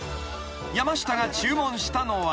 ［山下が注文したのは］